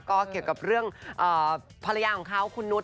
ก็เกี่ยวกับเรื่องภรรยาของเขาคุณนุษ